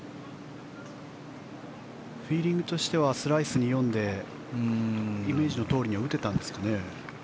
フィーリングとしてはスライスに読んでイメージのとおりには打てたんですかね。